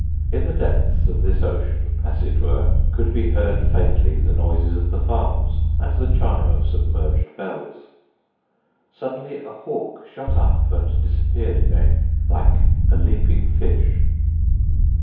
In the depths of this ocean, as it were, could be heard faintly the noises of the farms and the chime of submerged bells. Suddenly a hawk shot up and disappeared again, like a leaping fish.